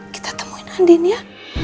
kita temuin andin ya